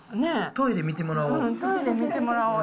トイレ見てもらおう。